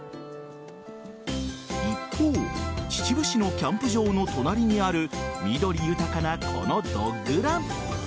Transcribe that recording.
一方秩父市のキャンプ場の隣にある緑豊かなこのドッグラン。